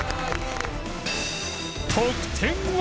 得点は？